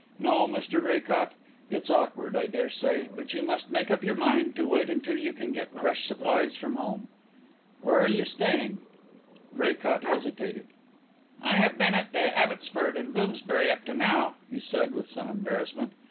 No, Mr Draycott, it's awkward, I dare say, but you must make up your mind to wait until you can get fresh supplies from home. Where are you staying?" Draycott hesitated. "I have been at the Abbotsford, in Bloomsbury, up to now," he said, with some embarrassment.